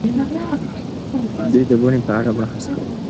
دوی د بڼې په اړه بحث کړی.